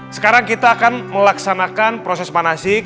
sekarang kita akan melaksanakan proses manasik